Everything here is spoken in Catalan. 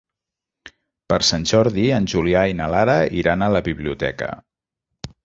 Per Sant Jordi en Julià i na Lara iran a la biblioteca.